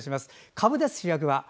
かぶです、主役は。